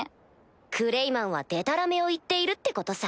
クレイマンはデタラメを言っているってことさ。